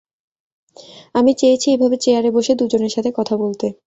আমি চেয়েছি এভাবে চেয়ারে বসে দুজনের সাথে কথা বলতে।